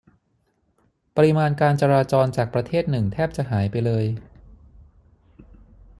ปริมาณการจราจรจากประเทศหนึ่งแทบจะหายไปเลย